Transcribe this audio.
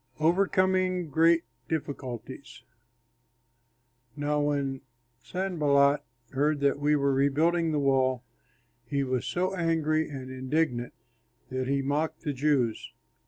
OVERCOMING GREAT DIFFICULTIES Now when Sanballat heard that we were rebuilding the wall, he was so angry and indignant that he mocked the Jews.